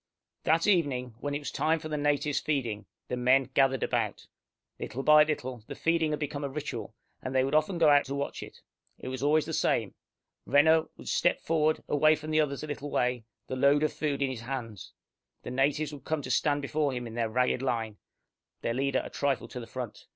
That evening, when it was time for the natives' feeding, the men gathered about. Little by little the feeding had become a ritual, and they would often go out to watch it. It was always the same. Renner would step forward away from the others a little way, the load of food in his hands. The natives would come to stand before him in their ragged line, their leader a trifle to the front.